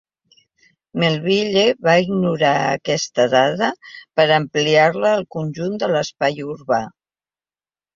Melville va ignorar aquesta dada per ampliar-la al conjunt de l'espai urbà.